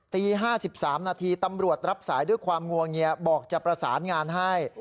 ตี๕๓นาทีตำรวจรับสายด้วยความงวงเงียบอกจะประสานงานให้